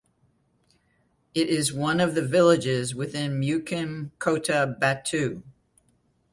It is one of the villages within Mukim Kota Batu.